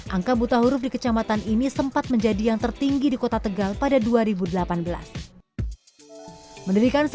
angka buta huruf di kecamatan ini sempat menjadi yang tertinggi di kota tegal pada dua ribu delapan belas